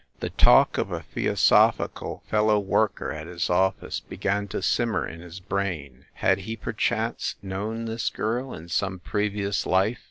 The talk of a Theosophical fellow worker at his office began to simmer in his brain. Had he per chance known this girl in some previous life?